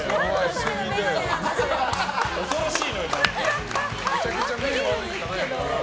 恐ろしいのよ、何か。